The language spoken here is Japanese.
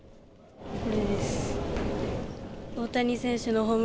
これです。